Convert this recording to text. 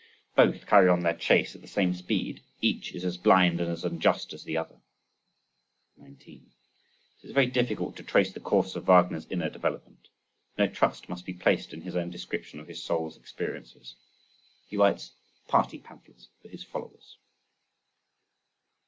Both carry on their chase at the same speed, each is as blind and as unjust as the other. 19. It is very difficult to trace the course of Wagner's inner development—no trust must be placed in his own description of his soul's experiences. He writes party pamphlets for his followers.